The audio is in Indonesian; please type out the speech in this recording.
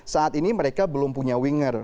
saat ini mereka belum punya winger